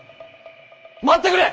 待ってくれ！